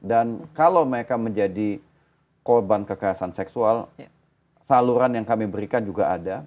dan kalau mereka menjadi korban kekerasan seksual saluran yang kami berikan juga ada